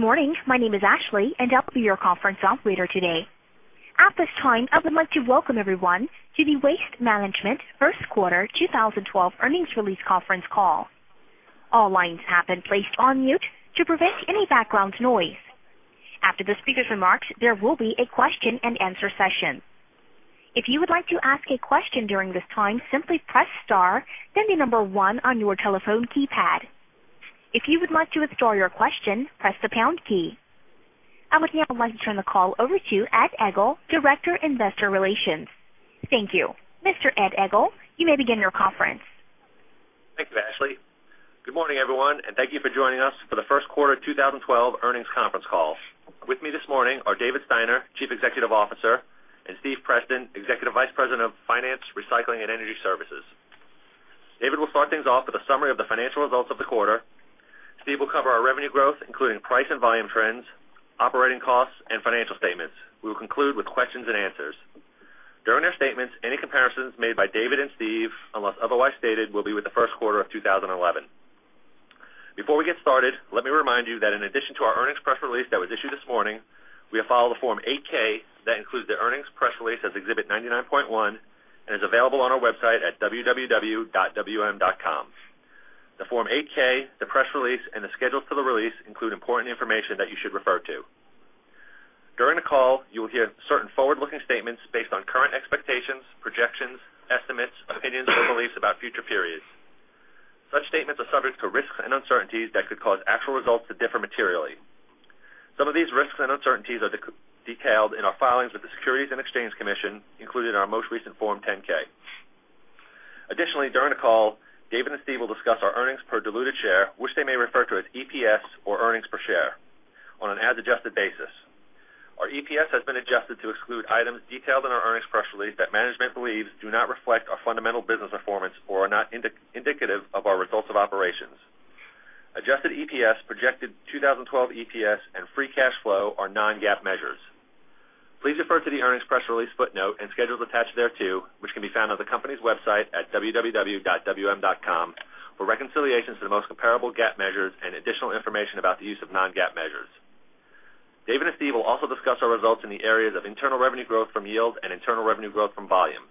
Good morning. My name is Ashley, and I'll be your conference operator today. At this time, I would like to welcome everyone to the Waste Management first quarter 2012 earnings release conference call. All lines have been placed on mute to prevent any background noise. After the speaker's remarks, there will be a question and answer session. If you would like to ask a question during this time, simply press star, then the number one on your telephone keypad. If you would like to withdraw your question, press the pound key. I would now like to turn the call over to Ed Egl, Director of Investor Relations. Thank you. Mr. Ed Egl, you may begin your conference. Thank you, Ashley. Good morning, everyone, and thank you for joining us for the first quarter of 2012 earnings conference call. With me this morning are David Steiner, Chief Executive Officer, and Steve Preston, Executive Vice President of Finance, Recycling, and Energy Services. David will start things off with a summary of the financial results of the quarter. Steve will cover our revenue growth, including price and volume trends, operating costs, and financial statements. We will conclude with questions and answers. During our statements, any comparisons made by David and Steve, unless otherwise stated, will be with the first quarter of 2011. Before we get started, let me remind you that in addition to our earnings press release that was issued this morning, we have filed a Form 8-K that includes the earnings press release as Exhibit 99.1 and is available on our website at www.wm.com. The Form 8-K, the press release, and the schedule to the release include important information that you should refer to. During the call, you will hear certain forward-looking statements based on current expectations, projections, estimates, opinions, or beliefs about future periods. Such statements are subject to risks and uncertainties that could cause actual results to differ materially. Some of these risks and uncertainties are detailed in our filings with the Securities and Exchange Commission, included in our most recent Form 10-K. Additionally, during the call, David and Steve will discuss our earnings per diluted share, which they may refer to as EPS or earnings per share, on an as-adjusted basis. Our EPS has been adjusted to exclude items detailed in our earnings press release that management believes do not reflect our fundamental business performance or are not indicative of our results of operations. Adjusted EPS, projected 2012 EPS, and free cash flow are non-GAAP measures. Please refer to the earnings press release footnote and schedules attached thereto, which can be found on the company's website at www.wm.com for reconciliations to the most comparable GAAP measures and additional information about the use of non-GAAP measures. David and Steve will also discuss our results in the areas of internal revenue growth from yield and internal revenue growth from volume.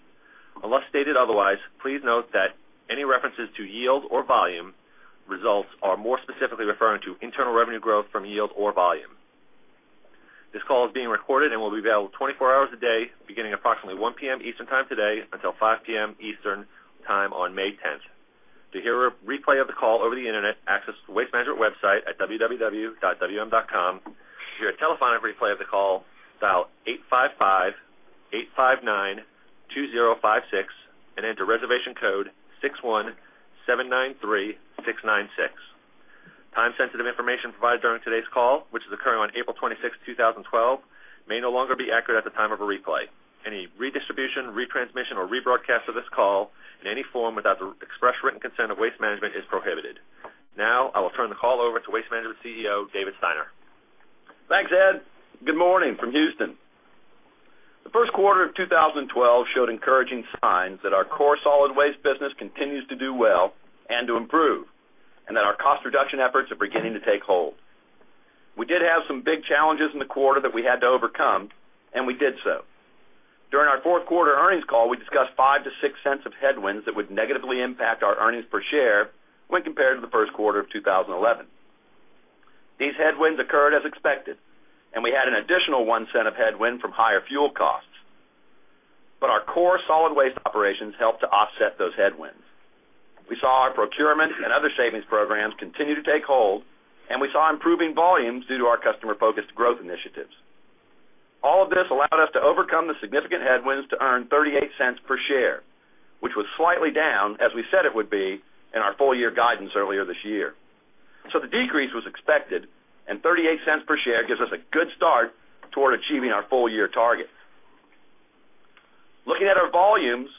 Unless stated otherwise, please note that any references to yield or volume results are more specifically referring to internal revenue growth from yield or volume. This call is being recorded and will be available 24 hours a day, beginning at approximately 1:00 P.M. Eastern time today until 5:00 P.M. Eastern time on May 10. To hear a replay of the call over the internet, access the Waste Management website at www.wm.com. To hear a telephonic replay of the call, dial 855-859-2056 and enter reservation code 61793696. Time-sensitive information provided during today's call, which is occurring on April 26, 2012, may no longer be accurate at the time of a replay. Any redistribution, retransmission, or rebroadcast of this call in any form without the express written consent of Waste Management is prohibited. Now, I will turn the call over to Waste Management CEO David Steiner. Thanks, Ed. Good morning from Houston. The first quarter of 2012 showed encouraging signs that our core solid waste business continues to do well and to improve, and that our cost reduction efforts are beginning to take hold. We did have some big challenges in the quarter that we had to overcome, and we did so. During our fourth quarter earnings call, we discussed $0.05-$0.06 of headwinds that would negatively impact our earnings per share when compared to the first quarter of 2011. These headwinds occurred as expected, and we had an additional $0.01 of headwind from higher fuel costs. Our core solid waste operations helped to offset those headwinds. We saw our procurement and other savings programs continue to take hold, and we saw improving volumes due to our customer-focused growth initiatives. All of this allowed us to overcome the significant headwinds to earn $0.38 per share, which was slightly down, as we said it would be in our full-year guidance earlier this year. The decrease was expected, and $0.38 per share gives us a good start toward achieving our full-year target. Looking at our volumes,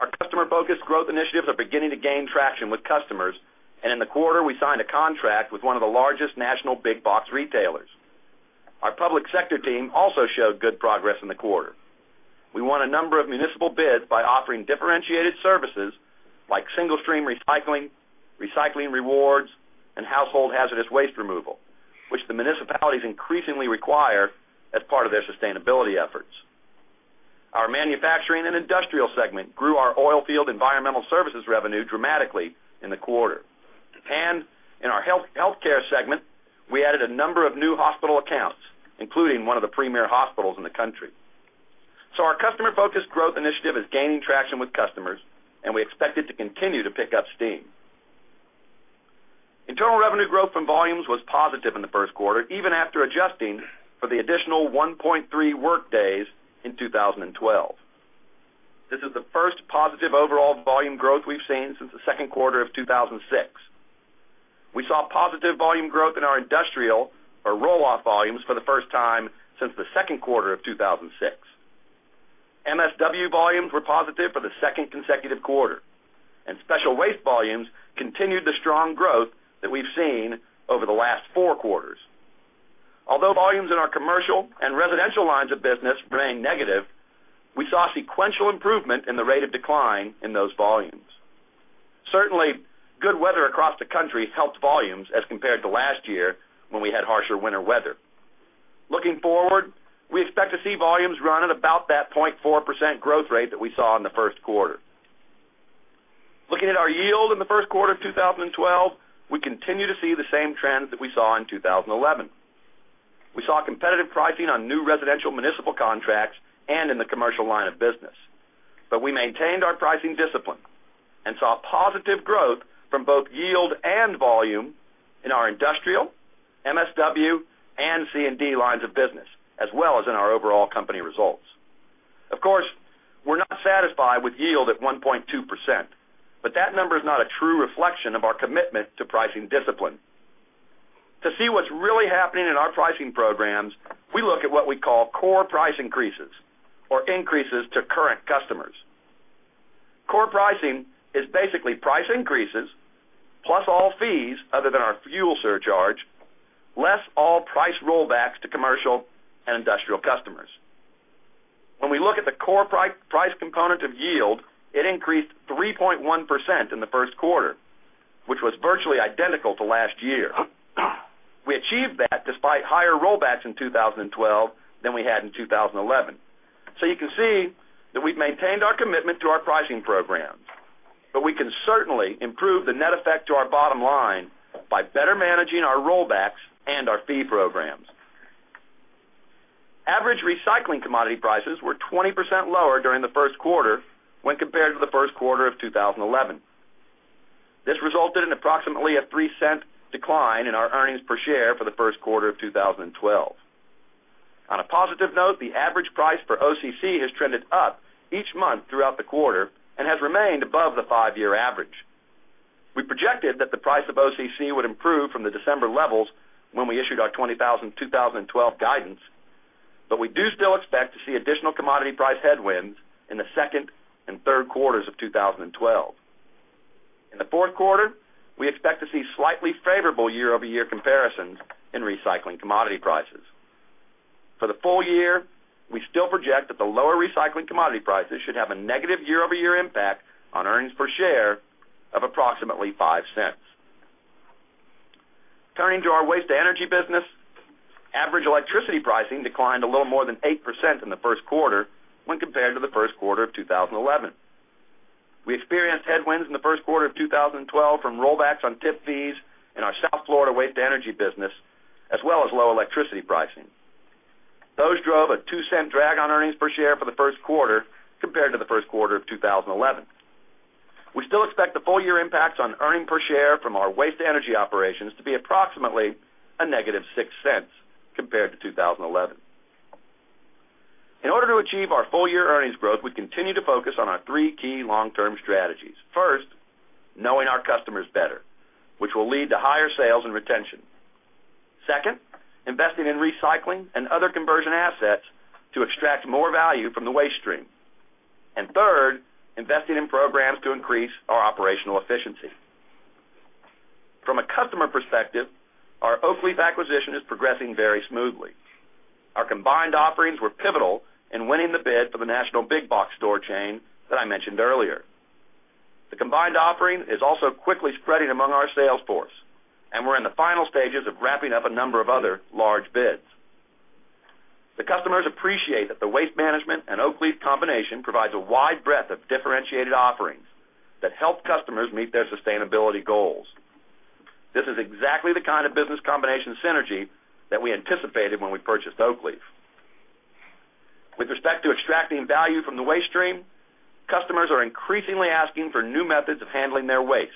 our customer-focused growth initiatives are beginning to gain traction with customers, and in the quarter, we signed a contract with one of the largest national big-box retailers. Our public sector team also showed good progress in the quarter. We won a number of municipal bids by offering differentiated services like single-stream recycling, recycling rewards, and household hazardous waste removal, which the municipalities increasingly require as part of their sustainability efforts. Our manufacturing and industrial segment grew our oil field environmental services revenue dramatically in the quarter. In our healthcare segment, we added a number of new hospital accounts, including one of the premier hospitals in the country. Our customer-focused growth initiative is gaining traction with customers, and we expect it to continue to pick up steam. Internal revenue growth from volumes was positive in the first quarter, even after adjusting for the additional 1.3 workdays in 2012. This is the first positive overall volume growth we've seen since the second quarter of 2006. We saw positive volume growth in our industrial, or rollout, volumes for the first time since the second quarter of 2006. MSW volumes were positive for the second consecutive quarter, and special waste volumes continued the strong growth that we've seen over the last four quarters. Although volumes in our commercial and residential lines of business remain negative, we saw sequential improvement in the rate of decline in those volumes. Certainly, good weather across the country helped volumes as compared to last year when we had harsher winter weather. Looking forward, we expect to see volumes run at about that 0.4% growth rate that we saw in the first quarter. Looking at our yield in the first quarter of 2012, we continue to see the same trends that we saw in 2011. We saw competitive pricing on new residential municipal contracts and in the commercial line of business. We maintained our pricing discipline and saw positive growth from both yield and volume in our industrial, MSW, and C&D lines of business, as well as in our overall company results. Of course, we're not satisfied with yield at 1.2%, but that number is not a true reflection of our commitment to pricing discipline. To see what's really happening in our pricing programs, we look at what we call core price increases, or increases to current customers. Core pricing is basically price increases plus all fees other than our fuel surcharge, less all price rollbacks to commercial and industrial customers. When we look at the core price component of yield, it increased 3.1% in the first quarter, which was virtually identical to last year. We achieved that despite higher rollbacks in 2012 than we had in 2011. You can see that we've maintained our commitment to our pricing programs, but we can certainly improve the net effect to our bottom line by better managing our rollbacks and our fee programs. Average recycling commodity prices were 20% lower during the first quarter when compared to the first quarter of 2011. This resulted in approximately a $0.03 decline in our earnings per share for the first quarter of 2012. On a positive note, the average price for OCC has trended up each month throughout the quarter and has remained above the five-year average. We projected that the price of OCC would improve from the December levels when we issued our 2012 guidance, but we do still expect to see additional commodity price headwinds in the second and third quarters of 2012. In the fourth quarter, we expect to see slightly favorable year-over-year comparisons in recycling commodity prices. For the full year, we still project that the lower recycling commodity prices should have a negative year-over-year impact on earnings per share of approximately $0.05. Turning to our waste-to-energy business, average electricity pricing declined a little more than 8% in the first quarter when compared to the first quarter of 2011. We experienced headwinds in the first quarter of 2012 from rollbacks on tip fees in our South Florida waste-to-energy business, as well as low electricity pricing. Those drove a $0.02 drag on earnings per share for the first quarter compared to the first quarter of 2011. We still expect the full-year impacts on earnings per share from our waste-to-energy operations to be approximately a negative $0.06 compared to 2011. In order to achieve our full-year earnings growth, we continue to focus on our three key long-term strategies. First, knowing our customers better, which will lead to higher sales and retention. Second, investing in recycling and other conversion assets to extract more value from the waste stream. Third, investing in programs to increase our operational efficiency. From a customer perspective, our Oak Leaf acquisition is progressing very smoothly. Our combined offerings were pivotal in winning the bid for the national big-box store chain that I mentioned earlier. The combined offering is also quickly spreading among our sales force, and we're in the final stages of wrapping up a number of other large bids. The customers appreciate that the Waste Management and Oak Leaf combination provides a wide breadth of differentiated offerings that help customers meet their sustainability goals. This is exactly the kind of business combination synergy that we anticipated when we purchased Oak Leaf. With respect to extracting value from the waste stream, customers are increasingly asking for new methods of handling their waste,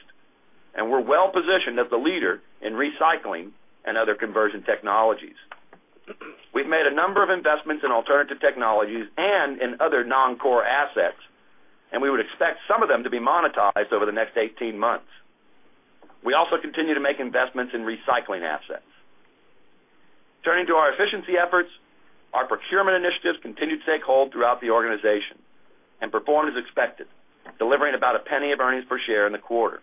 and we're well-positioned as the leader in recycling and other conversion technologies. We've made a number of investments in alternative technologies and in other non-core assets, and we would expect some of them to be monetized over the next 18 months. We also continue to make investments in recycling assets. Turning to our efficiency efforts, our procurement initiatives continue to take hold throughout the organization and perform as expected, delivering about a penny of earnings per share in the quarter.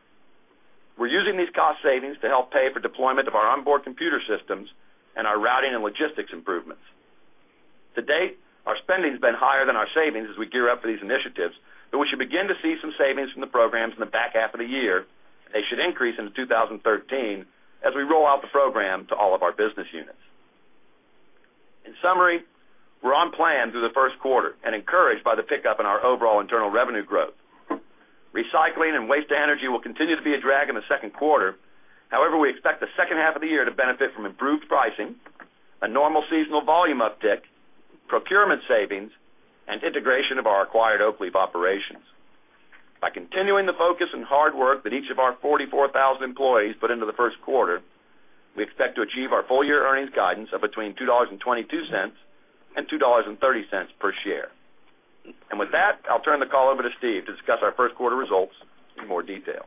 We're using these cost savings to help pay for deployment of our onboard computer systems and our routing and logistics improvements. To date, our spending's been higher than our savings as we gear up for these initiatives, but we should begin to see some savings from the programs in the back half of the year. They should increase into 2013 as we roll out the program to all of our business units. In summary, we're on plan through the first quarter and encouraged by the pickup in our overall internal revenue growth. Recycling and waste-to-energy will continue to be a drag in the second quarter. However, we expect the second half of the year to benefit from improved pricing, a normal seasonal volume uptick, procurement savings, and integration of our acquired Oak Leaf operations. By continuing the focus and hard work that each of our 44,000 employees put into the first quarter, we expect to achieve our full-year earnings guidance of between $2.22and $2.30 per share. With that, I'll turn the call over to Steve to discuss our first quarter results in more detail.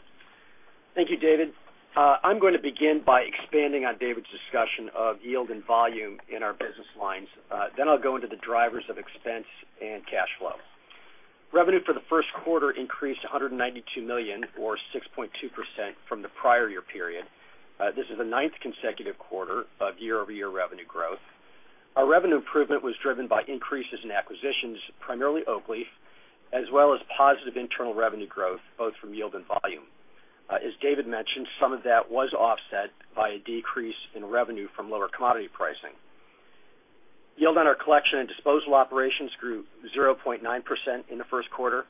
Thank you, David. I'm going to begin by expanding on David's discussion of yield and volume in our business lines. Then I'll go into the drivers of expense and cash flows. Revenue for the first quarter increased $192 million, or 6.2% from the prior year period. This is the ninth consecutive quarter of year-over-year revenue growth. Our revenue improvement was driven by increases in acquisitions, primarily Oak Leaf, as well as positive internal revenue growth, both from yield and volume. As David mentioned, some of that was offset by a decrease in revenue from lower commodity pricing. Yield on our collection and disposal operations grew 0.9% in the first quarter.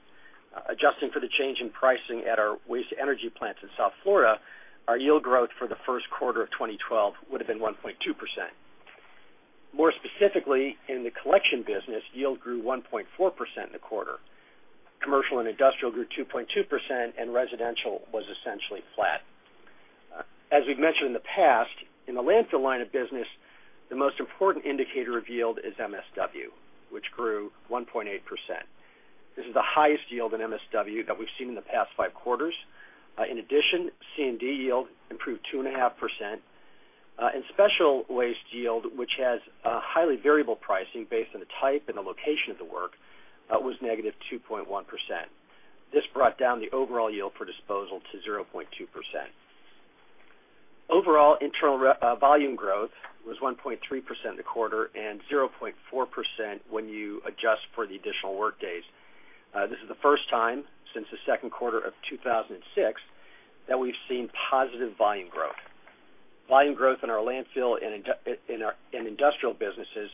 Adjusting for the change in pricing at our waste-to-energy plants in South Florida, our yield growth for the first quarter of 2012 would have been 1.2%. More specifically, in the collection business, yield grew 1.4% in the quarter. Commercial and industrial grew 2.2%, and residential was essentially flat. As we've mentioned in the past, in the landfill line of business, the most important indicator of yield is MSW, which grew 1.8%. This is the highest yield in MSW that we've seen in the past five quarters. In addition, C&D yield improved 2.5%. Special waste yield, which has highly variable pricing based on the type and the location of the work, was negative 2.1%. This brought down the overall yield for disposal to 0.2%. Overall, internal volume growth was 1.3% in the quarter and 0.4% when you adjust for the additional workdays. This is the first time since the second quarter of 2006 that we've seen positive volume growth. Volume growth in our landfill and industrial businesses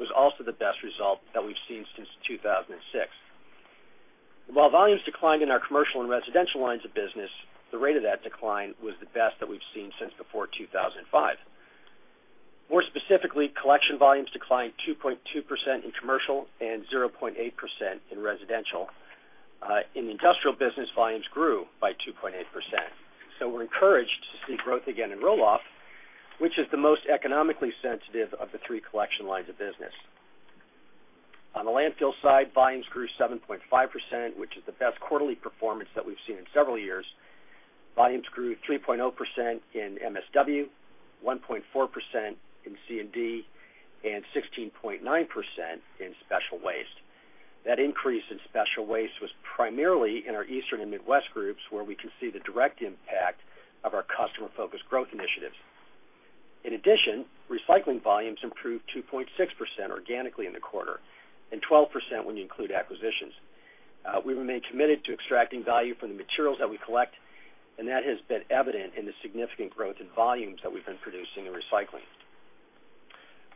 was also the best result that we've seen since 2006. While volumes declined in our commercial and residential lines of business, the rate of that decline was the best that we've seen since before 2005. More specifically, collection volumes declined 2.2% in commercial and 0.8% in residential. In the industrial business, volumes grew by 2.8%. We're encouraged to see growth again in roll-off, which is the most economically sensitive of the three collection lines of business. On the landfill side, volumes grew 7.5%, which is the best quarterly performance that we've seen in several years. Volumes grew 3.0% in MSW, 1.4% in C&D, and 16.9% in special waste. That increase in special waste was primarily in our Eastern and Midwest groups, where we can see the direct impact of our customer-focused growth initiatives. In addition, recycling volumes improved 2.6% organically in the quarter and 12% when you include acquisitions. We remain committed to extracting value from the materials that we collect, and that has been evident in the significant growth in volumes that we've been producing and recycling.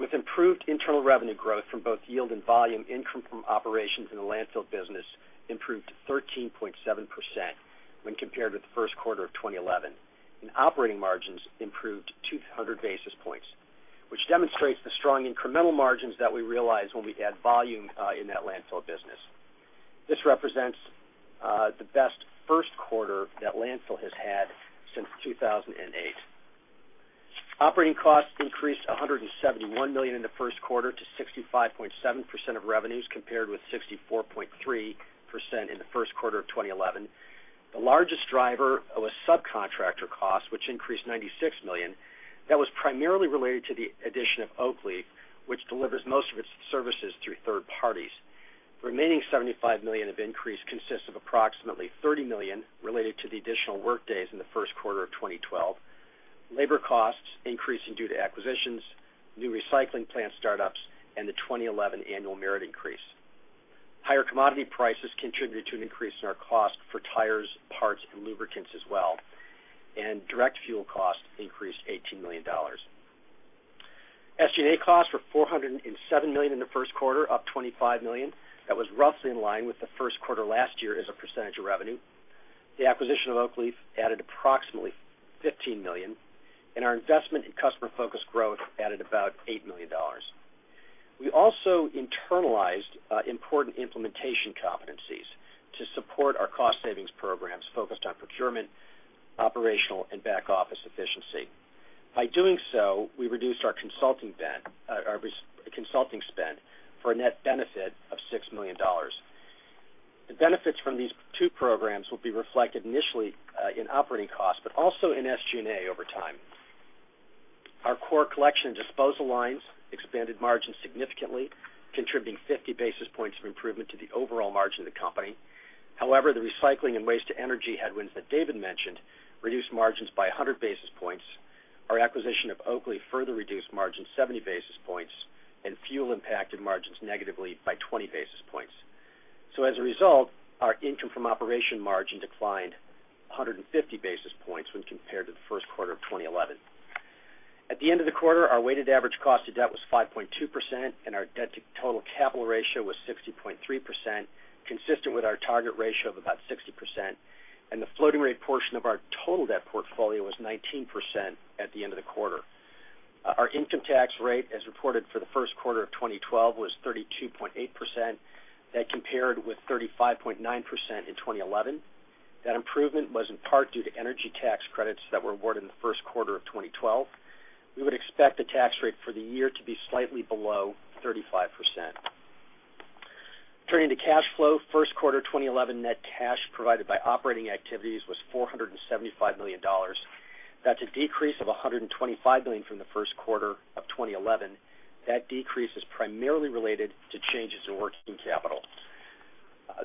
With improved internal revenue growth from both yield and volume, income from operations in the landfill business improved 13.7% when compared with the first quarter of 2011. Operating margins improved 200 basis points, which demonstrates the strong incremental margins that we realize when we add volume in that landfill business. This represents the best first quarter that landfill has had since 2008. Operating costs increased $171 million in the first quarter to 65.7% of revenues compared with 64.3% in the first quarter of 2011. The largest driver was subcontractor costs, which increased $96 million. That was primarily related to the addition of Oak Leaf, which delivers most of its services through third parties. The remaining $75 million of increase consists of approximately $30 million related to the additional workdays in the first quarter of 2012, labor costs increasing due to acquisitions, new recycling plant startups, and the 2011 annual merit increase. Higher commodity prices contributed to an increase in our cost for tires, parts, and lubricants as well. Direct fuel costs increased $18 million. SG&A costs were $407 million in the first quarter, up $25 million. That was roughly in line with the first quarter last year as a percentage of revenue. The acquisition of Oak Leaf added approximately $15 million, and our investment in customer-focused growth added about $8 million. We also internalized important implementation competencies to support our cost savings programs focused on procurement, operational, and back office efficiency. By doing so, we reduced our consulting spend for a net benefit of $6 million. The benefits from these two programs will be reflected initially in operating costs, but also in SG&A over time. Our core collection and disposal lines expanded margins significantly, contributing 50 basis points of improvement to the overall margin of the company. However, the recycling and waste-to-energy headwinds that David mentioned reduced margins by 100 basis points. Our acquisition of Oak Leaf further reduced margins 70 basis points, and fuel impacted margins negatively by 20 basis points. As a result, our income from operations margin declined 150 basis points when compared to the first quarter of 2011. At the end of the quarter, our weighted average cost of debt was 5.2%, and our debt-to-total capital ratio was 60.3%, consistent with our target ratio of about 60%. The floating rate portion of our total debt portfolio was 19% at the end of the quarter. Our income tax rate, as reported for the first quarter of 2012, was 32.8%. That compared with 35.9% in 2011. That improvement was in part due to energy tax credits that were awarded in the first quarter of 2012. We would expect the tax rate for the year to be slightly below 35%. Turning to cash flow, in the first quarter of 2012, net cash provided by operating activities was $475 million. That's a decrease of $125 million from the first quarter of 2011. That decrease is primarily related to changes in working capital.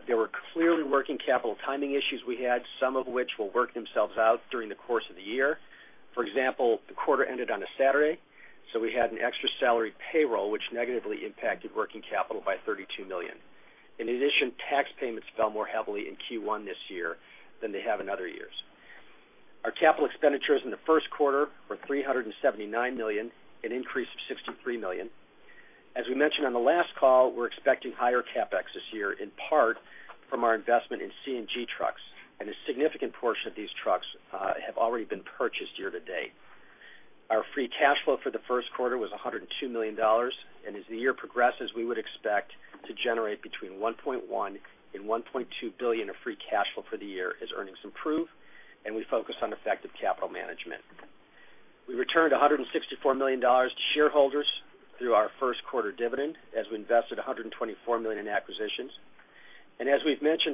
There were clearly working capital timing issues we had, some of which will work themselves out during the course of the year. For example, the quarter ended on a Saturday, so we had an extra salary payroll, which negatively impacted working capital by $32 million. In addition, tax payments fell more heavily in Q1 this year than they have in other years. Our capital expenditures in the first quarter were $379 million, an increase of $63 million. As we mentioned on the last call, we're expecting higher CapEx this year, in part from our investment in CNG trucks. A significant portion of these trucks have already been purchased year to date. Our free cash flow for the first quarter was $102 million. As the year progresses, we would expect to generate between $1.1 billion and $1.2 billion of free cash flow for the year as earnings improve, and we focus on effective capital management. We returned $164 million to shareholders through our first quarter dividend, as we invested $124 million in acquisitions.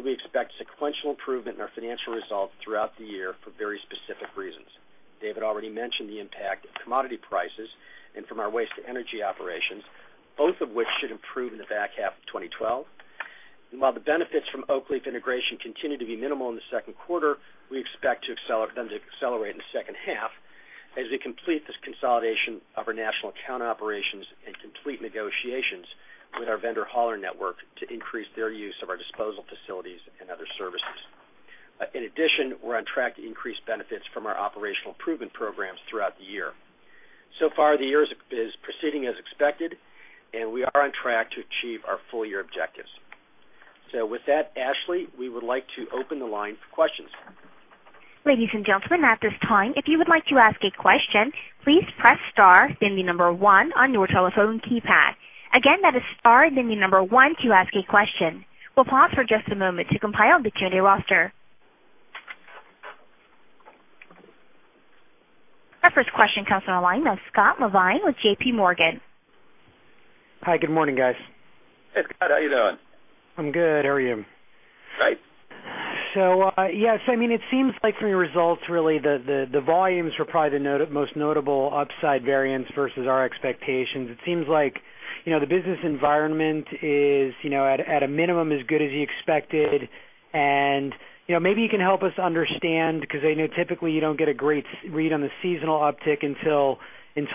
We expect sequential improvement in our financial results throughout the year for very specific reasons. David already mentioned the impact of commodity prices and from our waste-to-energy operations, both of which should improve in the back half of 2012. While the benefits from Oak Leaf integration continue to be minimal in the second quarter, we expect them to accelerate in the second half as we complete this consolidation of our national account operations and complete negotiations with our vendor hauler network to increase their use of our disposal facilities and other services. In addition, we're on track to increase benefits from our operational improvement programs throughout the year. The year is proceeding as expected, and we are on track to achieve our full-year objectives. With that, Ashley, we would like to open the line for questions. Ladies and gentlemen, at this time, if you would like to ask a question, please press star then the number one on your telephone keypad. Again, that is star then the number one to ask a question. We'll pause for just a moment to compile the Q&A roster. Our first question comes from our line of Scott Levine with JP Morgan. Hi. Good morning, guys. Hey, Scott. How are you doing? I'm good. How are you? Great. It seems like from your results, really, the volumes were probably the most notable upside variance versus our expectations. It seems like the business environment is, at a minimum, as good as you expected. Maybe you can help us understand because I know typically you don't get a great read on the seasonal uptick until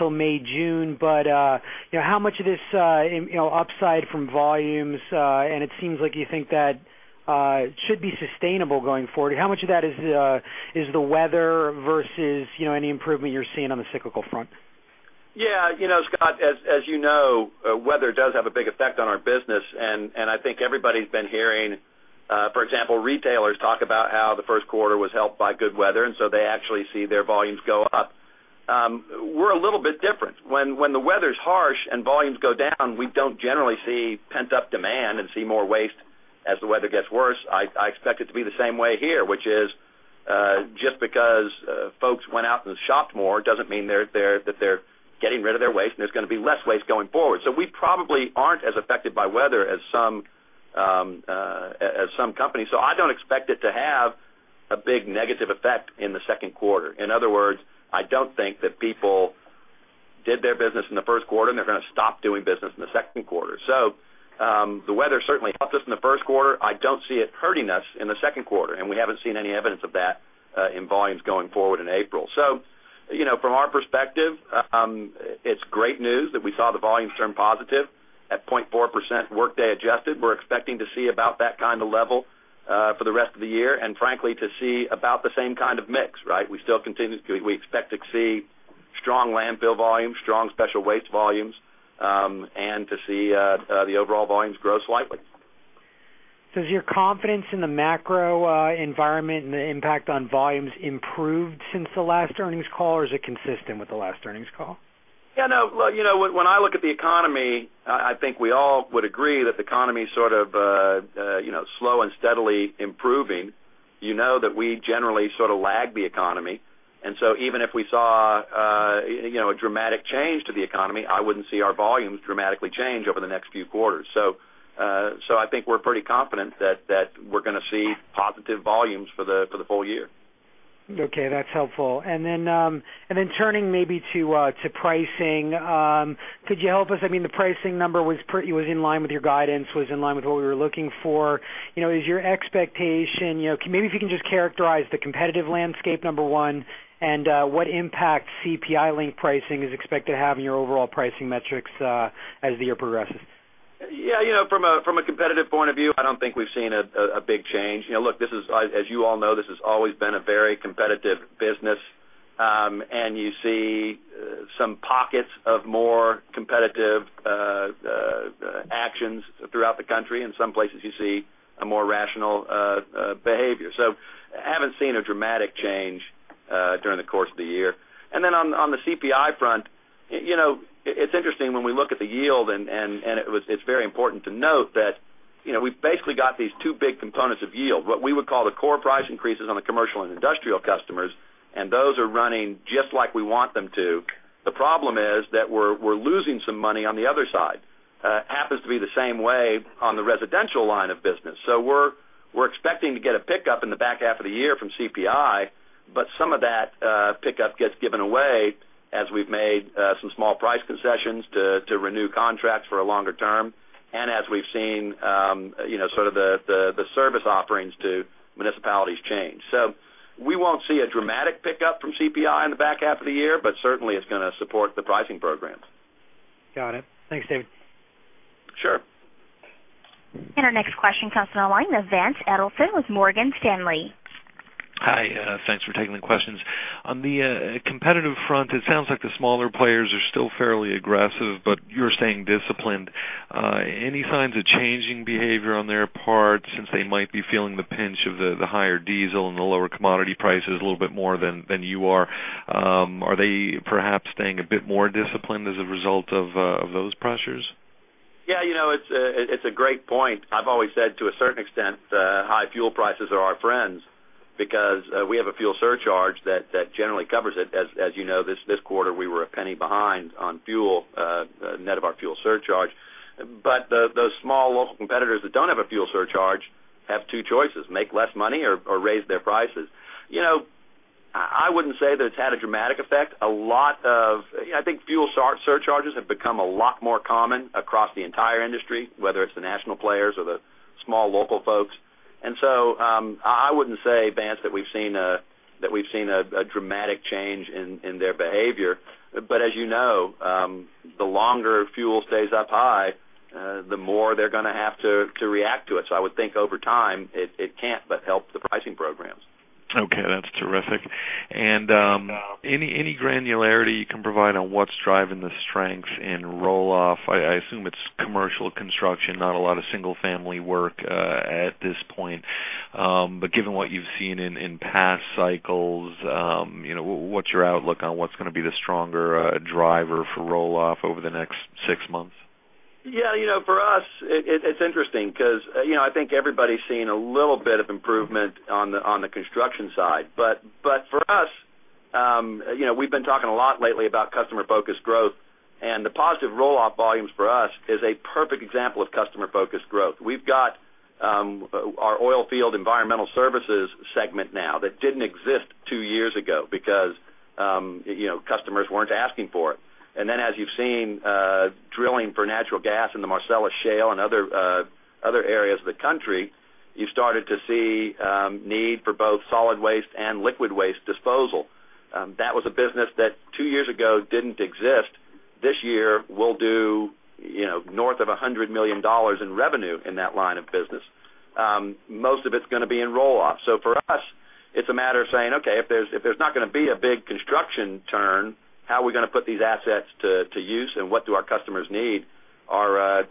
May or June. How much of this upside from volumes, and it seems like you think that should be sustainable going forward, how much of that is the weather versus any improvement you're seeing on the cyclical front? Yeah. You know, Scott, as you know, weather does have a big effect on our business. I think everybody's been hearing, for example, retailers talk about how the first quarter was helped by good weather, and so they actually see their volumes go up. We're a little bit different. When the weather's harsh and volumes go down, we don't generally see pent-up demand and see more waste as the weather gets worse. I expect it to be the same way here, which is just because folks went out and shopped more doesn't mean that they're getting rid of their waste, and there's going to be less waste going forward. We probably aren't as affected by weather as some companies. I don't expect it to have a big negative effect in the second quarter. In other words, I don't think that people did their business in the first quarter, and they're going to stop doing business in the second quarter. The weather certainly helped us in the first quarter. I don't see it hurting us in the second quarter, and we haven't seen any evidence of that in volumes going forward in April. From our perspective, it's great news that we saw the volumes turn positive at 0.4% workday adjusted. We're expecting to see about that kind of level for the rest of the year, and frankly, to see about the same kind of mix, right? We still continue to, we expect to see strong landfill volumes, strong special waste volumes, and to see the overall volumes grow slightly. Has your confidence in the macro environment and the impact on volumes improved since the last earnings call, or is it consistent with the last earnings call? Yeah. When I look at the economy, I think we all would agree that the economy's sort of slow and steadily improving. You know that we generally sort of lag the economy. Even if we saw a dramatic change to the economy, I wouldn't see our volumes dramatically change over the next few quarters. I think we're pretty confident that we're going to see positive volumes for the full year. Okay, that's helpful. Turning maybe to pricing, could you help us? I mean, the pricing number was in line with your guidance, was in line with what we were looking for. Is your expectation, maybe if you can just characterize the competitive landscape, number one, and what impact CPI link pricing is expected to have in your overall pricing metrics as the year progresses? Yeah. You know, from a competitive point of view, I don't think we've seen a big change. As you all know, this has always been a very competitive business. You see some pockets of more competitive actions throughout the country. In some places, you see more rational behavior. I haven't seen a dramatic change during the course of the year. On the CPI front, it's interesting when we look at the yield, and it's very important to note that we've basically got these two big components of yield, what we would call the core price increases on the commercial and industrial customers, and those are running just like we want them to. The problem is that we're losing some money on the other side. It happens to be the same way on the residential line of business. We're expecting to get a pickup in the back half of the year from CPI, but some of that pickup gets given away as we've made some small price concessions to renew contracts for a longer term, and as we've seen the service offerings to municipalities change. We won't see a dramatic pickup from CPI in the back half of the year, but certainly it's going to support the pricing programs. Got it. Thanks, David. Sure. Our next question comes from the line of Vance Edelson with Morgan Stanley. Hi. Thanks for taking the questions. On the competitive front, it sounds like the smaller players are still fairly aggressive, but you're staying disciplined. Any signs of changing behavior on their part since they might be feeling the pinch of the higher diesel and the lower commodity prices a little bit more than you are? Are they perhaps staying a bit more disciplined as a result of those pressures? Yeah, it's a great point. I've always said to a certain extent high fuel prices are our friends because we have a fuel surcharge that generally covers it. As you know, this quarter we were $0.01 behind on fuel, net of our fuel surcharge. Those small local competitors that don't have a fuel surcharge have two choices: make less money or raise their prices. I wouldn't say that it's had a dramatic effect. I think fuel surcharges have become a lot more common across the entire industry, whether it's the national players or the small local folks. I wouldn't say, Vance, that we've seen a dramatic change in their behavior. As you know, the longer fuel stays up high, the more they're going to have to react to it. I would think over time it can't but help the pricing programs. Okay. That's terrific. Any granularity you can provide on what's driving the strength in roll-off? I assume it's commercial construction, not a lot of single-family work at this point. Given what you've seen in past cycles, what's your outlook on what's going to be the stronger driver for roll-off over the next six months? Yeah. You know, for us, it's interesting because I think everybody's seen a little bit of improvement on the construction side. For us, we've been talking a lot lately about customer-focused growth. The positive roll-off volumes for us is a perfect example of customer-focused growth. We've got our oil field environmental services segment now that didn't exist two years ago because customers weren't asking for it. As you've seen drilling for natural gas in the Marcellus Shale and other areas of the country, you've started to see a need for both solid waste and liquid waste disposal. That was a business that two years ago didn't exist. This year, we'll do north of $100 million in revenue in that line of business. Most of it's going to be in roll-off. For us, it's a matter of saying, "Okay. If there's not going to be a big construction turn, how are we going to put these assets to use and what do our customers need?" Our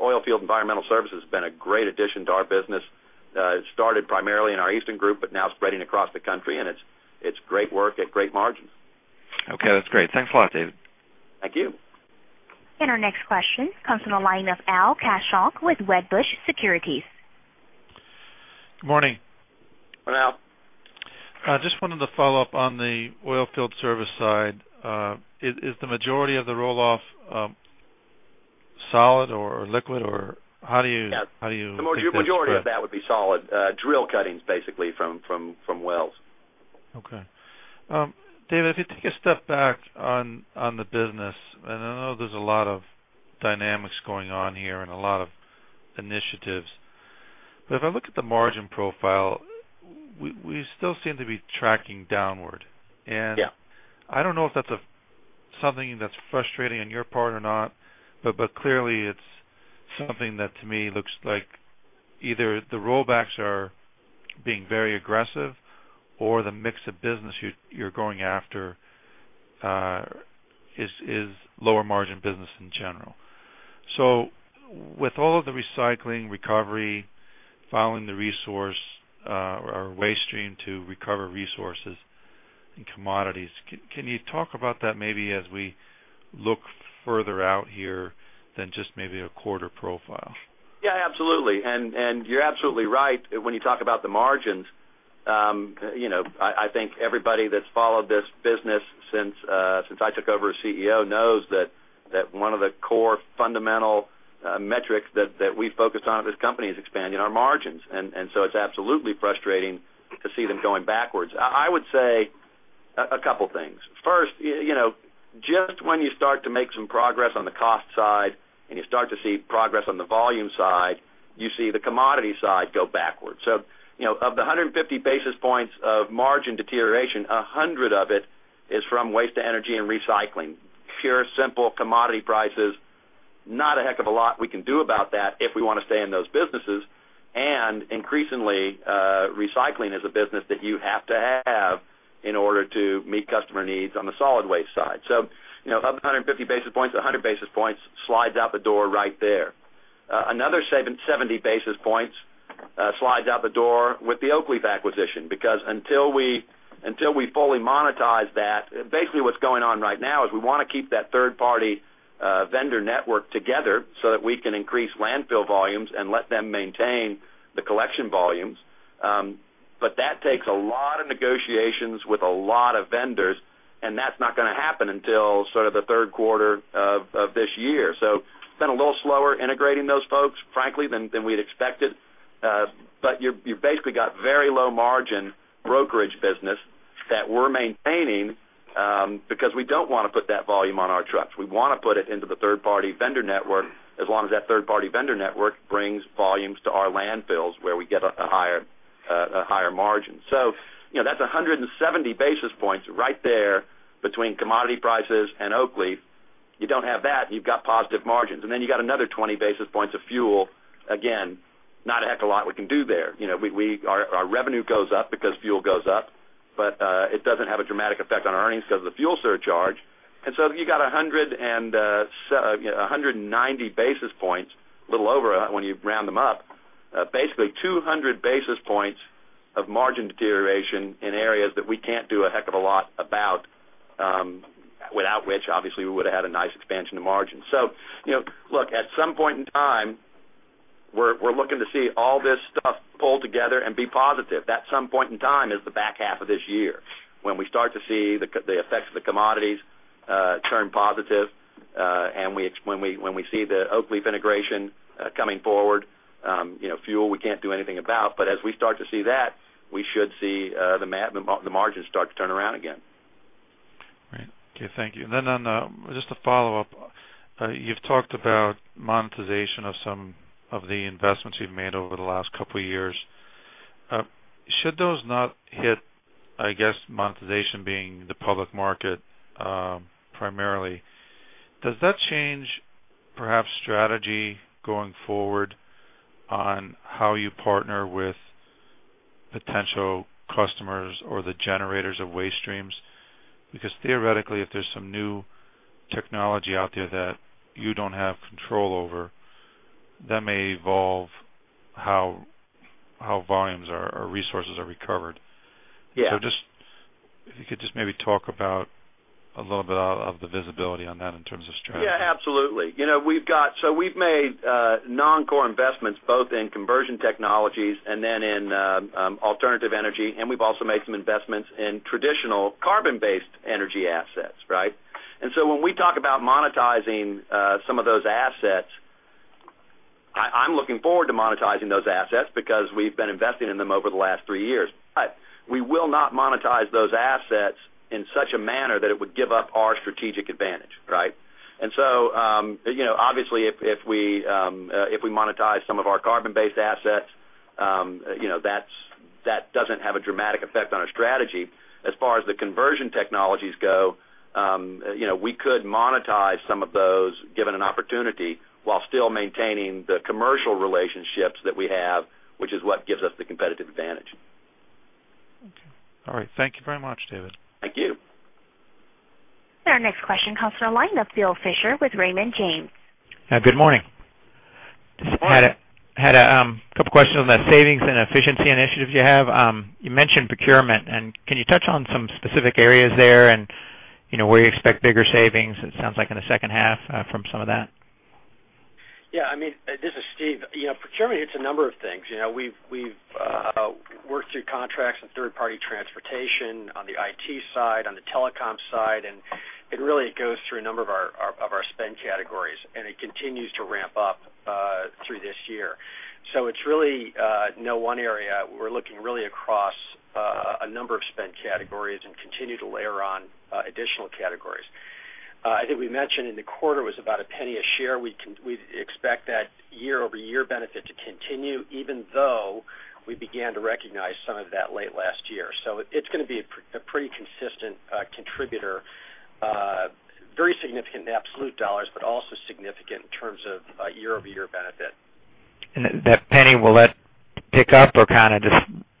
oil field environmental services has been a great addition to our business. It started primarily in our Eastern group, but now it's spreading across the country, and it's great work at great margins. Okay. That's great. Thanks a lot, David. Thank you. Our next question comes from the line of Al Kaschalk with Wedbush Securities. Morning. Morning, Al. I just wanted to follow up on the oil field service side. Is the majority of the roll-off solid or liquid, or how do you do it? Yeah, the majority of that would be solid. Drill cuttings, basically, from wells. Okay. David, if you take a step back on the business, and I know there's a lot of dynamics going on here and a lot of initiatives, but if I look at the margin profile, we still seem to be tracking downward. I don't know if that's something that's frustrating on your part or not, but clearly, it's something that to me looks like either the rollbacks are being very aggressive or the mix of business you're going after is lower margin business in general. With all of the recycling, recovery, following the resource or waste stream to recover resources and commodities, can you talk about that maybe as we look further out here than just maybe a quarter profile? Yeah. Absolutely. You're absolutely right when you talk about the margins. I think everybody that's followed this business since I took over as CEO knows that one of the core fundamental metrics that we focused on at this company is expanding our margins. It's absolutely frustrating to see them going backwards. I would say a couple of things. First, just when you start to make some progress on the cost side and you start to see progress on the volume side, you see the commodity side go backwards. Of the 150 basis points of margin deterioration, 100 of it is from waste-to-energy and recycling. Pure, simple commodity prices, not a heck of a lot we can do about that if we want to stay in those businesses. Increasingly, recycling is a business that you have to have in order to meet customer needs on the solid waste side. Of the 150 basis points, 100 basis points slides out the door right there. Another 70 basis points slides out the door with the Oak Leaf acquisition because until we fully monetize that, basically what's going on right now is we want to keep that third-party vendor network together so that we can increase landfill volumes and let them maintain the collection volumes. That takes a lot of negotiations with a lot of vendors, and that's not going to happen until sort of the third quarter of this year. It's been a little slower integrating those folks, frankly, than we'd expected. You basically got very low margin brokerage business that we're maintaining because we don't want to put that volume on our trucks. We want to put it into the third-party vendor network as long as that third-party vendor network brings volumes to our landfills where we get a higher margin. That's 170 basis points right there between commodity prices and Oak Leaf. You don't have that, and you've got positive margins. Then you've got another 20 basis points of fuel. Again, not a heck of a lot we can do there. Our revenue goes up because fuel goes up, but it doesn't have a dramatic effect on earnings because of the fuel surcharge. You've got 190 basis points, a little over when you round them up, basically 200 basis points of margin deterioration in areas that we can't do a heck of a lot about, without which, obviously, we would have had a nice expansion of margins. At some point in time, we're looking to see all this stuff pulled together and be positive. At some point in time is the back half of this year when we start to see the effects of the commodities turn positive, and when we see the Oak Leaf integration coming forward. Fuel, we can't do anything about. As we start to see that, we should see the margins start to turn around again. Right. Okay. Thank you. On just a follow-up, you've talked about monetization of some of the investments you've made over the last couple of years. Should those not hit, I guess, monetization being the public market primarily, does that change perhaps strategy going forward on how you partner with potential customers or the generators of waste streams? Theoretically, if there's some new technology out there that you don't have control over, that may evolve how volumes or resources are recovered. If you could just maybe talk about a little bit of the visibility on that in terms of strategy. Absolutely. We've made non-core investments both in conversion technologies and in alternative energy, and we've also made some investments in traditional carbon-based energy assets, right? When we talk about monetizing some of those assets, I'm looking forward to monetizing those assets because we've been investing in them over the last three years. We will not monetize those assets in such a manner that it would give up our strategic advantage, right? Obviously, if we monetize some of our carbon-based assets, that doesn't have a dramatic effect on our strategy. As far as the conversion technologies go, we could monetize some of those given an opportunity while still maintaining the commercial relationships that we have, which is what gives us the competitive advantage. Okay. All right. Thank you very much, David. Thank you. Our next question comes from a line of Bill Fisher with Raymond James. Hi. Good morning. I had a couple of questions on the savings and efficiency initiatives you have. You mentioned procurement, and can you touch on some specific areas there, and you know where you expect bigger savings, it sounds like, in the second half from some of that? Yeah. I mean, this is Steve. You know, procurement hits a number of things. We've worked through contracts and third-party transportation on the IT side, on the telecom side, and it really goes through a number of our spend categories, and it continues to ramp up through this year. It's really no one area. We're looking really across a number of spend categories and continue to layer on additional categories. I think we mentioned in the quarter it was about $0.01 a share. We expect that year-over-year benefit to continue even though we began to recognize some of that late last year. It's going to be a pretty consistent contributor, very significant in absolute dollars, but also significant in terms of year-over-year benefit. Will that penny pick up or just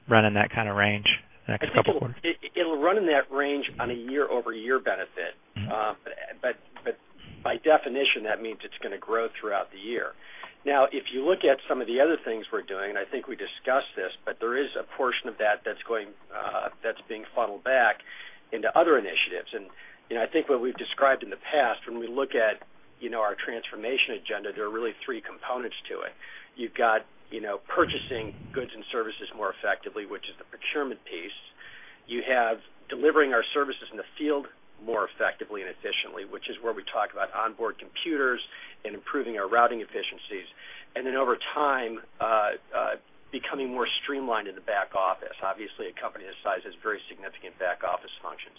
run in that kind of range the next couple of quarters? It'll run in that range on a year-over-year benefit. By definition, that means it's going to grow throughout the year. If you look at some of the other things we're doing, and I think we discussed this, there is a portion of that that's being funneled back into other initiatives. I think what we've described in the past, when we look at our transformation agenda, there are really three components to it. You've got purchasing goods and services more effectively, which is the procurement piece. You have delivering our services in the field more effectively and efficiently, which is where we talk about onboard computers and improving our routing efficiencies. Over time, becoming more streamlined in the back office. Obviously, a company this size has very significant back office functions.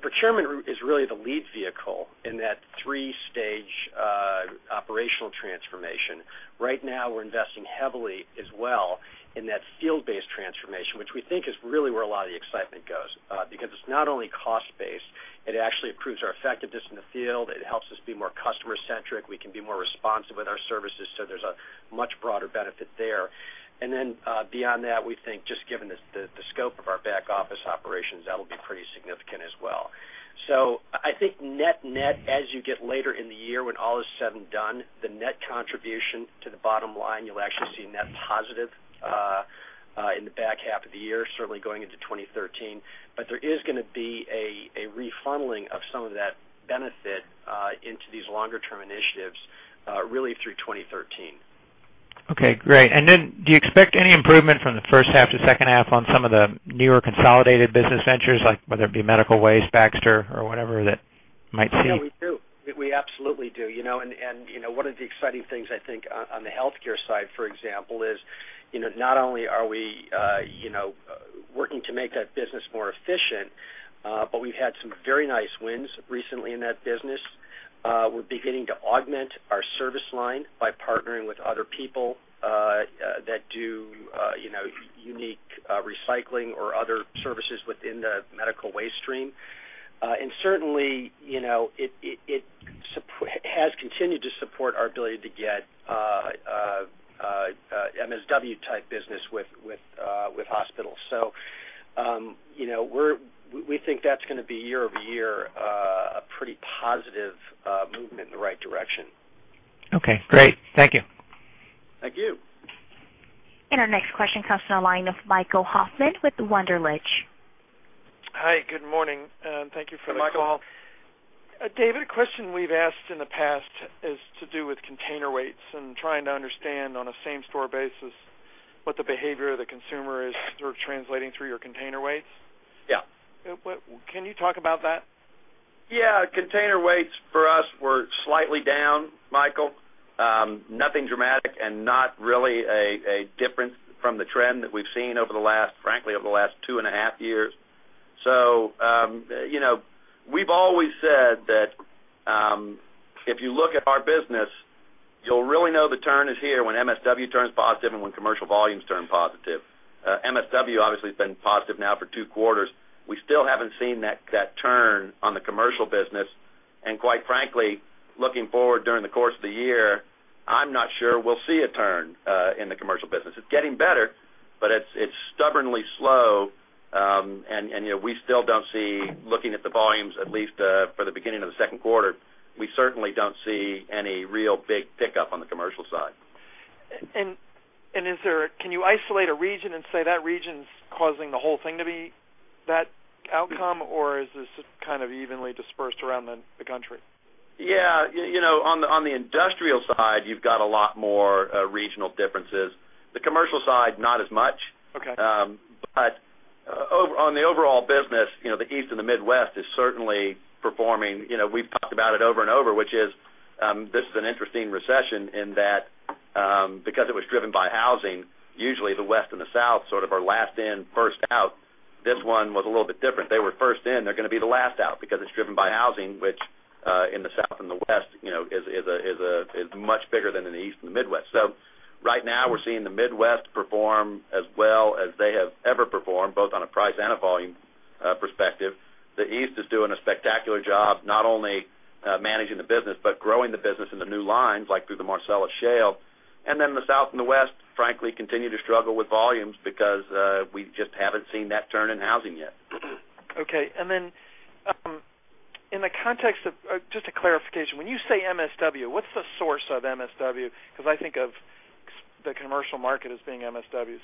Procurement is really the lead vehicle in that three-stage operational transformation. Right now, we're investing heavily as well in that field-based transformation, which we think is really where a lot of the excitement goes because it's not only cost-based. It actually improves our effectiveness in the field. It helps us be more customer-centric. We can be more responsive with our services. There's a much broader benefit there. Beyond that, we think just given the scope of our back office operations, that'll be pretty significant as well. I think net-net, as you get later in the year, when all is said and done, the net contribution to the bottom line, you'll actually see net positive in the back half of the year, certainly going into 2013. There is going to be a refunneling of some of that benefit into these longer-term initiatives really through 2013. Okay. Great. Do you expect any improvement from the first half to second half on some of the newer consolidated business ventures, like whether it be medical waste management, Stericycle, or whatever that might see? Yeah. We do. We absolutely do. One of the exciting things, I think, on the healthcare side, for example, is not only are we working to make that business more efficient, but we've had some very nice wins recently in that business. We're beginning to augment our service line by partnering with other people that do unique recycling or other services within the medical waste stream. It has continued to support our ability to get MSW-type business with hospitals. We think that's going to be year-over-year a pretty positive movement in the right direction. Okay. Great. Thank you. Thank you. Our next question comes from the line of Michael Hoffman with Wunderlich. Hi. Good morning, and thank you for the call. Michael. David, a question we've asked in the past is to do with container weights and trying to understand on a same-store basis what the behavior of the consumer is, sort of translating through your container weights. Yeah. Can you talk about that? Yeah. Container weights for us were slightly down, Michael. Nothing dramatic and not really a difference from the trend that we've seen over the last, frankly, over the last two and a half years. You know we've always said that if you look at our business, you'll really know the turn is here when MSW turns positive and when commercial volumes turn positive. MSW obviously has been positive now for two quarters. We still haven't seen that turn on the commercial business. Quite frankly, looking forward during the course of the year, I'm not sure we'll see a turn in the commercial business. It's getting better, but it's stubbornly slow. We still don't see, looking at the volumes at least for the beginning of the second quarter, we certainly don't see any real big pickup on the commercial side. Can you isolate a region and say that region's causing the whole thing to be that outcome, or is this kind of evenly dispersed around the country? Yeah. You know, on the industrial side, you've got a lot more regional differences. The commercial side, not as much. Okay. On the overall business, the East and the Midwest are certainly performing. We've talked about it over and over, which is this is an interesting recession in that because it was driven by housing, usually the West and the South are last in, first out. This one was a little bit different. They were first in. They're going to be the last out because it's driven by housing, which in the South and the West is much bigger than in the East and the Midwest. Right now, we're seeing the Midwest perform as well as they have ever performed, both on a price and a volume perspective. The East is doing a spectacular job, not only managing the business but growing the business into new lines like through the Marcellus Shale. The South and the West, frankly, continue to struggle with volumes because we just haven't seen that turn in housing yet. Okay. In the context of just a clarification, when you say MSW, what's the source of MSW? I think of the commercial market as being MSW.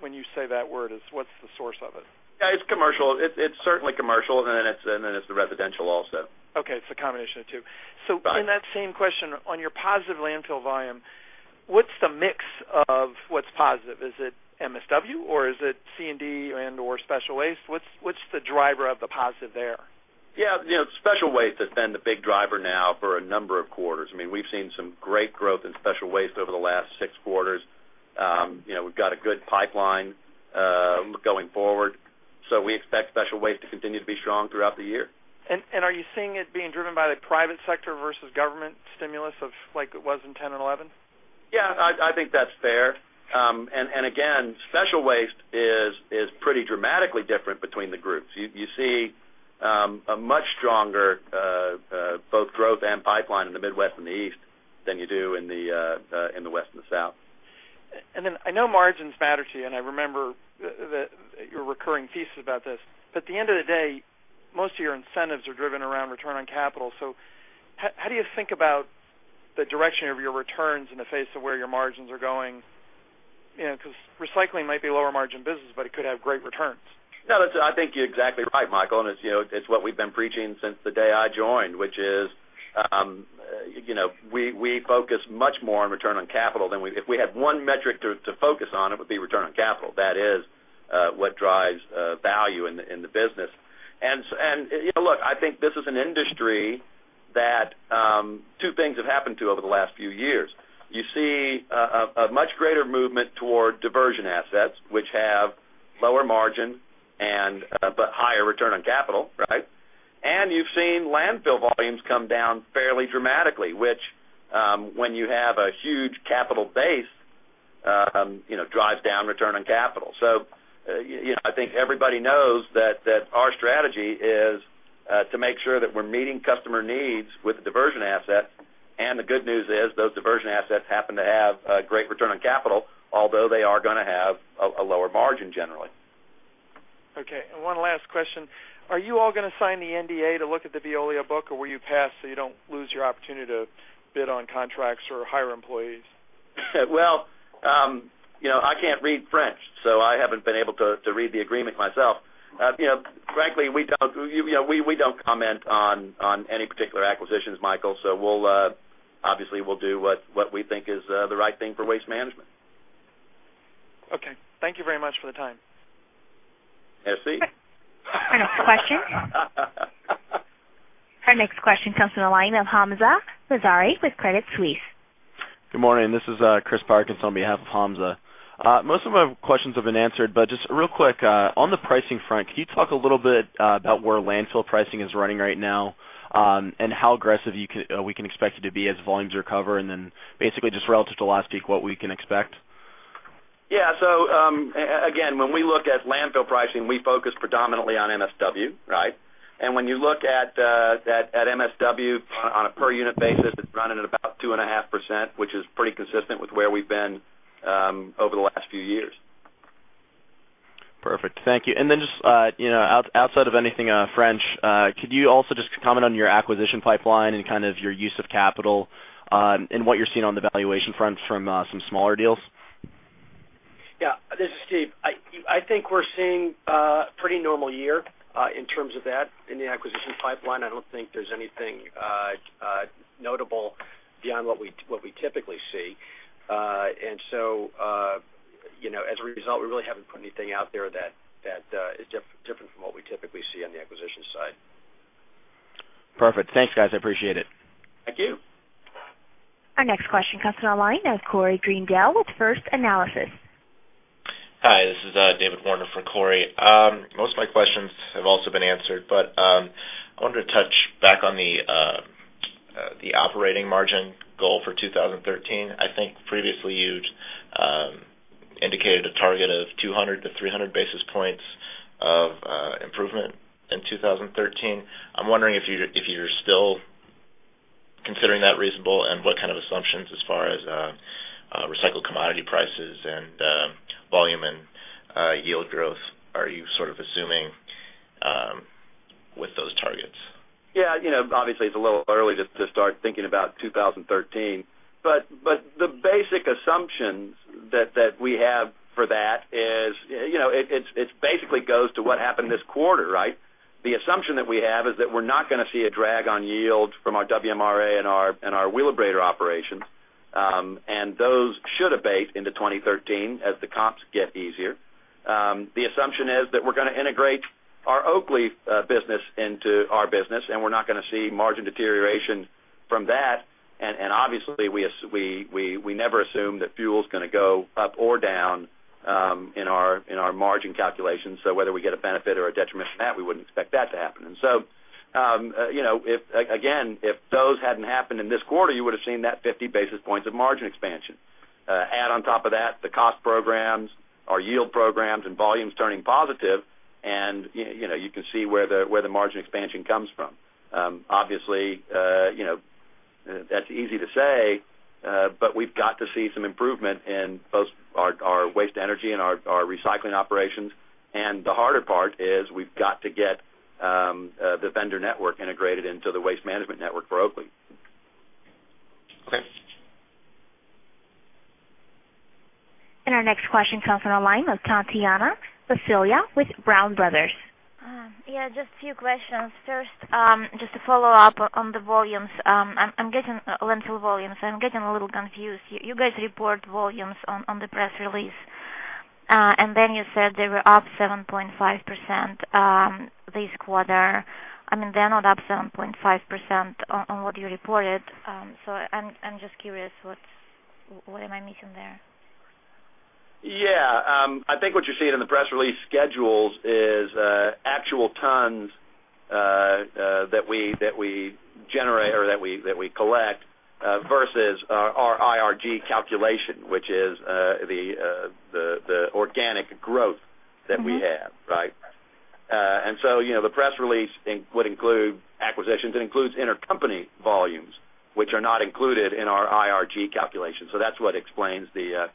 When you say that word, what's the source of it? Yeah, it's commercial. It's certainly commercial, and then it's the residential also. Okay. It's a combination of the two. In that same question, on your positive landfill volumes, what's the mix of what's positive? Is it MSW, or is it C&D and/or special waste? What's the driver of the positive there? Yeah. Special waste has been the big driver now for a number of quarters. I mean, we've seen some great growth in special waste over the last six quarters. We've got a good pipeline going forward, and we expect special waste to continue to be strong throughout the year. Are you seeing it being driven by the private sector versus government stimulus like it was in 2010 and 2011? Yeah, I think that's fair. Again, special waste is pretty dramatically different between the groups. You see a much stronger both growth and pipeline in the Midwest and the East than you do in the West and the South. I know margins matter to you, and I remember that your recurring thesis about this. At the end of the day, most of your incentives are driven around return on capital. How do you think about the direction of your returns in the face of where your margins are going? You know, because recycling might be a lower margin business, but it could have great returns. Yeah, I think you're exactly right, Michael. It's what we've been preaching since the day I joined, which is, you know, we focus much more on return on capital than we, if we had one metric to focus on, it would be return on capital. That is what drives value in the business. I think this is an industry that two things have happened to over the last few years. You see a much greater movement toward diversion assets, which have lower margin but higher return on capital, right? You've seen landfill volumes come down fairly dramatically, which, when you have a huge capital base, drives down return on capital. I think everybody knows that our strategy is to make sure that we're meeting customer needs with a diversion asset. The good news is those diversion assets happen to have a great return on capital, although they are going to have a lower margin generally. Okay. One last question. Are you all going to sign the NDA to look at the Veolia book, or were you passed so you don't lose your opportunity to bid on contracts or hire employees? I can't read French, so I haven't been able to read the agreement myself. Frankly, we don't comment on any particular acquisitions, Michael. We'll obviously do what we think is the right thing for Waste Management. Okay, thank you very much for the time. Merci. Our next question comes from a line of Hamza Mazari with Credit Suisse. Good morning. This is Chris Parkins on behalf of Hamza. Most of my questions have been answered, but just real quick, on the pricing front, can you talk a little bit about where landfill pricing is running right now and how aggressive we can expect it to be as volumes recover? Basically, just relative to last week, what we can expect? Yeah. When we look at landfill pricing, we focus predominantly on MSW, right? When you look at MSW on a per-unit basis, it's running at about 2.5%, which is pretty consistent with where we've been over the last few years. Perfect. Thank you. Outside of anything French, could you also just comment on your acquisition pipeline and your use of capital and what you're seeing on the valuation front from some smaller deals? Yeah. This is Steve. I think we're seeing a pretty normal year in terms of that in the acquisition pipeline. I don't think there's anything notable beyond what we typically see. As a result, we really haven't put anything out there that is different from what we typically see on the acquisition side. Perfect. Thanks, guys. I appreciate it. Thank you. Our next question comes from the line of Corey Greendell with First Analysis. Hi. This is David Warner for Corey. Most of my questions have also been answered, but I wanted to touch back on the operating margin goal for 2013. I think previously you'd indicated a target of 200-300 basis points of improvement in 2013. I'm wondering if you're still considering that reasonable and what kind of assumptions as far as recycling commodity prices and volume and yield growth are you sort of assuming with those targets? Yeah, obviously, it's a little early to start thinking about 2013. The basic assumptions that we have for that is, you know, it basically goes to what happened this quarter, right? The assumption that we have is that we're not going to see a drag on yield from our WMRA and our Wheelabrator operations, and those should abate into 2013 as the comps get easier. The assumption is that we're going to integrate our Oak Leaf business into our business, and we're not going to see margin deterioration from that. Obviously, we never assume that fuel is going to go up or down in our margin calculations, so whether we get a benefit or a detriment from that, we wouldn't expect that to happen. If those hadn't happened in this quarter, you would have seen that 50 basis points of margin expansion. Add on top of that the cost programs, our yield programs, and volumes turning positive, and you can see where the margin expansion comes from. Obviously, that's easy to say, but we've got to see some improvement in both our waste-to-energy and our recycling operations. The harder part is we've got to get the vendor network integrated into the Waste Management network for Oak Leaf. Okay. Our next question comes from the line of Tatiana Basilia with Brown Brothers. Yeah. Just a few questions. First, just to follow up on the volumes, I'm getting landfill volumes. I'm getting a little confused. You guys report volumes on the press release, and then you said they were up 7.5% this quarter. I mean, they're not up 7.5% on what you reported. I'm just curious, what am I missing there? I think what you're seeing in the press release schedules is actual tons that we generate or that we collect versus our IRG calculation, which is the organic growth that we have, right? The press release would include acquisitions. It includes intercompany volumes, which are not included in our IRG calculation. That's what explains the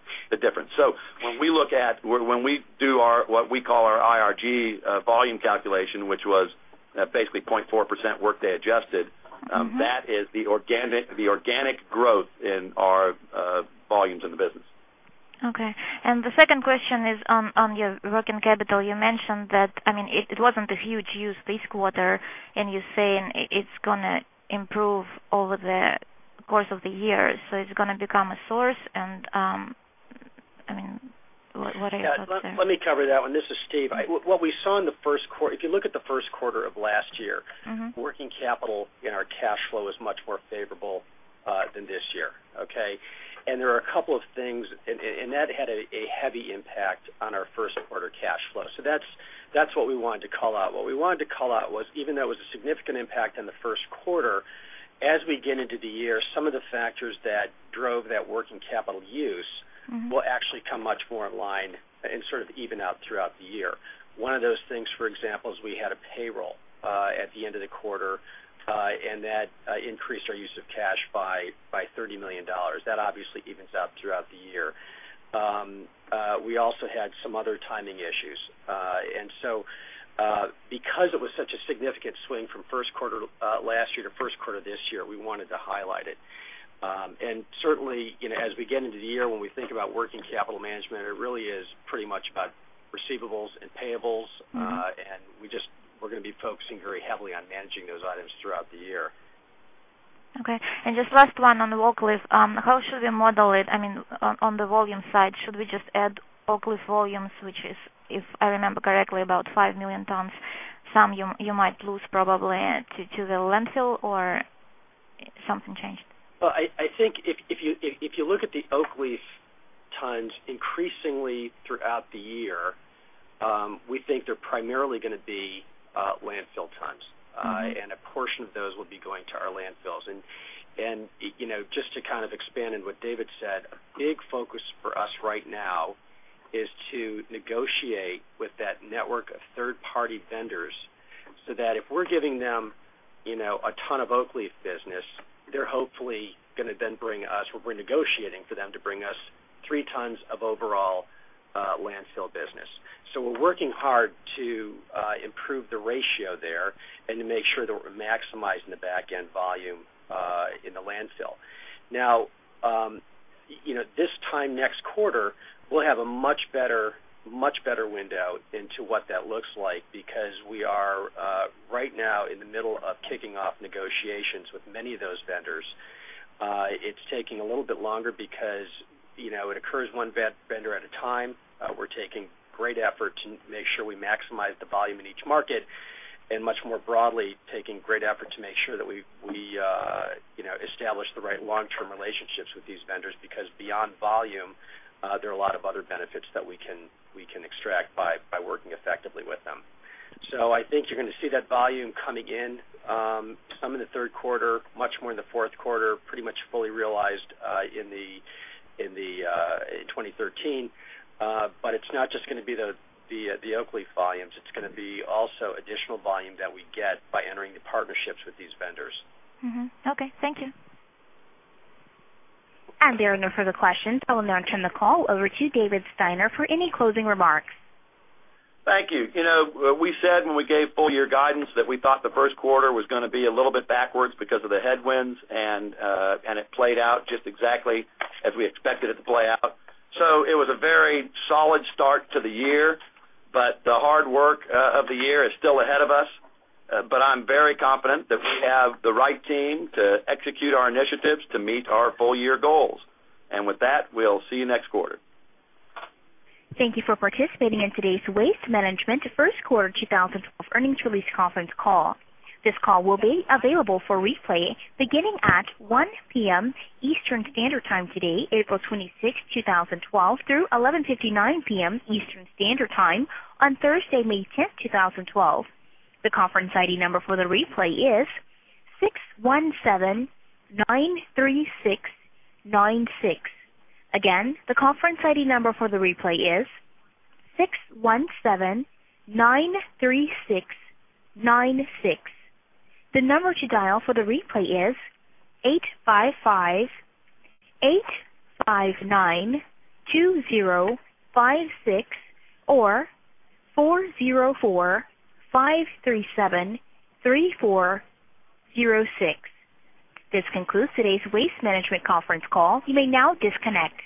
difference. When we do what we call our IRG volume calculation, which was basically 0.4% workday adjusted, that is the organic growth in our volumes in the business. Okay. The second question is on your working capital. You mentioned that it wasn't a huge use this quarter, and you're saying it's going to improve over the course of the year. It's going to become a source. What are your thoughts on that? Let me cover that one. This is Steve. What we saw in the first quarter, if you look at the first quarter of last year, working capital in our cash flow is much more favorable than this year, okay? There are a couple of things, and that had a heavy impact on our first quarter cash flow. That's what we wanted to call out. What we wanted to call out was, even though it was a significant impact in the first quarter, as we get into the year, some of the factors that drove that working capital use will actually come much more in line and sort of even out throughout the year. One of those things, for example, is we had a payroll at the end of the quarter, and that increased our use of cash by $30 million. That obviously evens out throughout the year. We also had some other timing issues. Because it was such a significant swing from first quarter last year to first quarter this year, we wanted to highlight it. Certainly, as we get into the year, when we think about working capital management, it really is pretty much about receivables and payables, and we just, we're going to be focusing very heavily on managing those items throughout the year. Okay. Just last one on the Oak Leaf. How should we model it? I mean, on the volume side, should we just add Oak Leaf volumes, which is, if I remember correctly, about 5 million tons? Some you might lose probably to the landfill, or something changed? If you look at the Oak Leaf tons increasingly throughout the year, we think they're primarily going to be landfill tons. A portion of those will be going to our landfills. Just to expand on what David said, a big focus for us right now is to negotiate with that network of third-party vendors so that if we're giving them a ton of Oak Leaf business, they're hopefully going to then bring us, we're negotiating for them to bring us three tons of overall landfill business. We're working hard to improve the ratio there and to make sure that we're maximizing the backend volume in the landfill. This time next quarter, we'll have a much better, much better window into what that looks like because we are right now in the middle of kicking off negotiations with many of those vendors. It's taking a little bit longer because it occurs one vendor at a time. We're taking great effort to make sure we maximize the volume in each market and much more broadly taking great effort to make sure that we establish the right long-term relationships with these vendors because beyond volume, there are a lot of other benefits that we can extract by working effectively with them. I think you're going to see that volume coming in, some in the third quarter, much more in the fourth quarter, pretty much fully realized in 2013. It's not just going to be the Oak Leaf volumes. It's going to be also additional volume that we get by entering the partnerships with these vendors. Okay, thank you. There are no further questions. I will now turn the call over to David Steiner for any closing remarks. Thank you. You know, we said when we gave full-year guidance that we thought the first quarter was going to be a little bit backwards because of the headwinds, and it played out just exactly as we expected it to play out. It was a very solid start to the year, yet the hard work of the year is still ahead of us. I'm very confident that we have the right team to execute our initiatives to meet our full-year goals. With that, we'll see you next quarter. Thank you for participating in today's Waste Management First Quarter 2012 Earnings Release Conference Call. This call will be available for replay beginning at 1:00 P.M. Eastern Standard Time today, April 26, 2012, through 11:59 P.M. Eastern Standard Time on Thursday, May 10, 2012. The conference ID number for the replay is 61793696. Again, the conference ID number for the replay is 61793696. The number to dial for the replay is 855-859-2056 or 404-537-3406. This concludes today's Waste Management Conference Call. You may now disconnect.